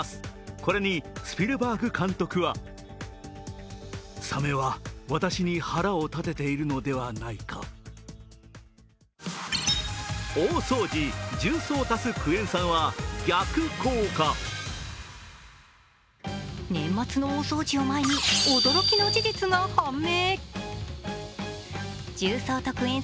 これにスピルバーグ監督は年末の大掃除を前に驚きの事実が判明。